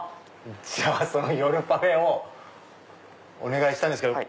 じゃあその夜パフェをお願いしたいんですけど。